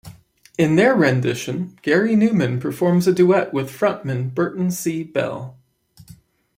In their rendition, Gary Numan performs a duet with frontman Burton C. Bell.